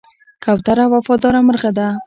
کوتره وفاداره مرغه ده.